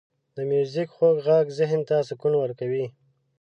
• د میوزیک خوږ ږغ ذهن ته سکون ورکوي.